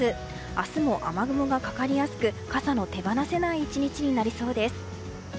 明日も雨雲がかかりやすく傘の手放せない１日になりそうです。